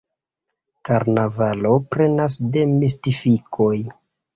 Karnavalo plenas de mistifikoj.